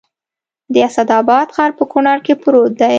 د اسداباد ښار په کونړ کې پروت دی